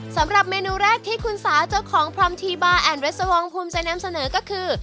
สำหรับเมนูแรกที่คุณสาเจ้าของพรัมทีบาร์แอนเรสวองภูมิจะนำเสนอก็คือ